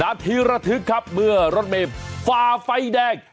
นัทธิระทึกครับเมื่อรถเมฟฟ้าไฟแดง